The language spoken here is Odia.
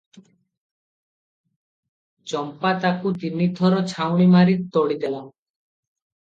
ଚମ୍ପା ତାକୁ ତିନିଥର ଛାଞ୍ଚୁଣୀ ମାରି ତଡ଼ିଦେଲା ।